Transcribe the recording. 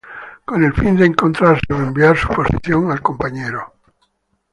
Con el fin de encontrarse o enviar su posición al compañero.